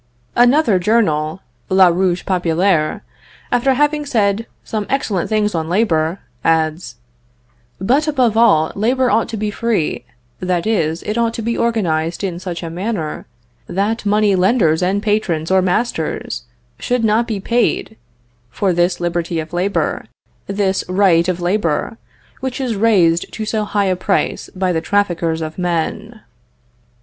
Another journal, La Ruche Populaire, after having said some excellent things on labor, adds, "But, above all, labor ought to be free; that is, it ought to be organized in such a manner, that money lenders and patrons, or masters, should not be paid for this liberty of labor, this right of labor, which is raised to so high a price by the trafficers of men."